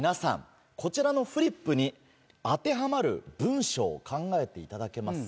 こちらのフリップに当てはまる文章を考えていただけますか？